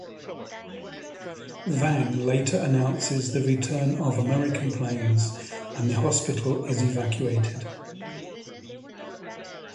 Vang later announces the return of American planes and the hospital is evacuated.